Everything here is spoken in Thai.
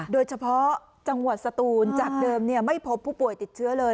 โดยเฉพาะจังหวัดสตูนจากเดิมไม่พบผู้ป่วยติดเชื้อเลย